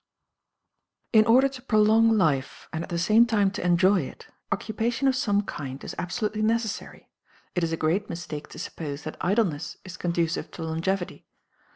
In order to prolong life and at the same time to enjoy it, occupation of some kind is absolutely necessary; it is a great mistake to suppose that idleness is conducive to longevity.